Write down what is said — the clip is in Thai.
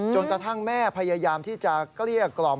กระทั่งแม่พยายามที่จะเกลี้ยกล่อม